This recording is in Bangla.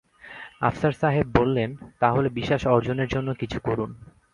আফসার সাহেব বললেন, তাহলে বিশ্বাস অর্জনের জন্য কিছু করুন।